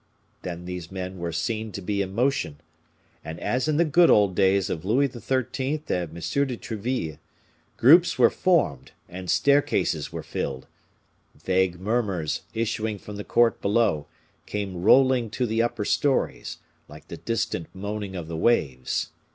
Then these men were seen to be in motion, and as in the good old times of Louis XIII. and M. de Treville, groups were formed, and staircases were filled; vague murmurs, issuing from the court below, came rolling to the upper stories, like the distant moaning of the waves.